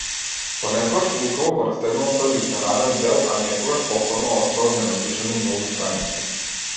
Понекогаш лукаво го растегнувам тој литерарен дел, а некогаш повторно оставам ненапишани многу страници.